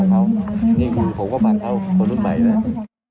เพราะทั้งสองคนบรรลุนิติภาวะแล้วก็เป็นสิทธิ์ของเขาเอง